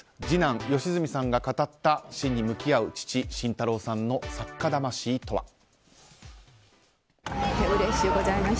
次男・良純さんが語った死に向き合う父・慎太郎さんの作家魂とは。